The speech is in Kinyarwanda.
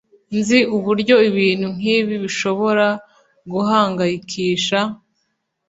Nzi uburyo ibintu nkibi bishobora guhangayikisha